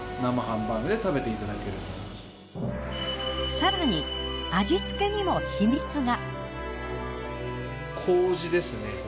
さらに味付けにも秘密が。